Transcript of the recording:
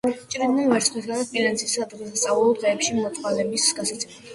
ჭრიდნენ ვერცხლისა და სპილენძისაგან სადღესასწაულო დღეებში მოწყალების გასაცემად.